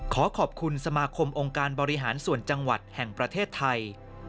ขอขอบคุณสมาคมองค์การบริหารส่วนจังหวัดแห่งประเทศไทย